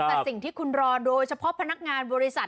แต่สิ่งที่คุณรอโดยเฉพาะพนักงานบริษัท